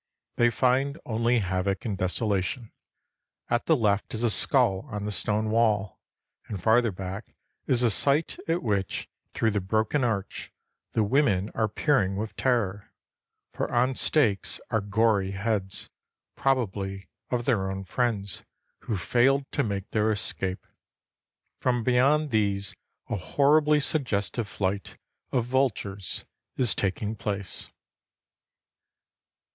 They find only havoc and desolation. At the left is a skull on the stone wall, and farther back is a sight at which, through the broken arch, the women are peering with terror; for on stakes are gory heads, probably of their own friends who failed to make their escape. From beyond these a horribly sugges tive flight of vultures is taking place.